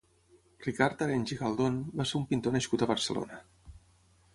Ricard Arenys i Galdon va ser un pintor nascut a Barcelona.